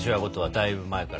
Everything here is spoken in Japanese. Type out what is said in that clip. だいぶ前から。